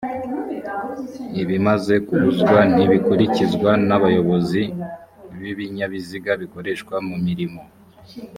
c ibimaze kubuzwa ntibikurikizwa n abayobozi b ibinyabiziga bikoreshwa mu mirimo